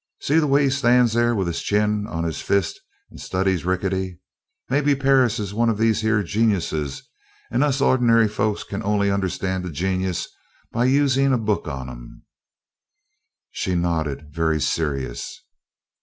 See the way he stands there with his chin on his fist and studies Rickety! Maybe Perris is one of these here geniuses and us ordinary folks can only understand a genius by using a book on him." She nodded, very serious.